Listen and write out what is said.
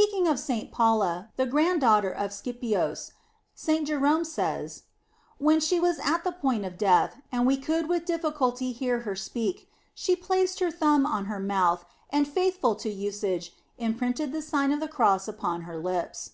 46 The Sign of the Cross * Speaking of St. Paula, the grand daughter of the Scipios, Saint Jerome says: "When she was at the point of death, and we could with difficulty hear her speak, she placed her thumb on her mouth, and, faithful to usage, imprinted the Sign of the Cross upon her lips."